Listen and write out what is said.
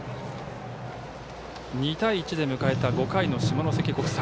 ２対１で迎えた、５回の下関国際。